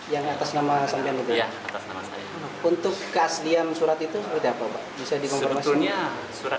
yang atas nama sampianudara